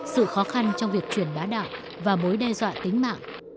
sự khó khăn trong việc truyền bá đạo và mối đe dọa tính mạng